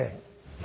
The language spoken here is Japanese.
何？